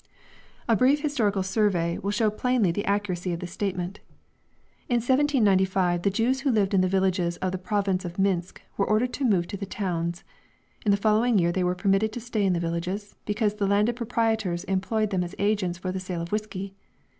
A brief historical survey will show plainly the accuracy of this statement. In 1795 the Jews who lived in the villages of the Province of Minsk were ordered to move to the towns. In the following year they were permitted to stay in the villages, because the landed proprietors employed them as agents for the sale of whiskey.